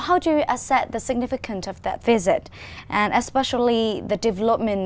hãy nghĩ về phương pháp phát triển năng lượng